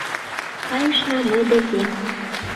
Кайышна мый декем...